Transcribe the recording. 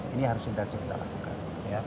ini harus intensif kita lakukan